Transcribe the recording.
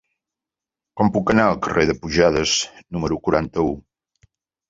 Com puc anar al carrer de Pujades número quaranta-u?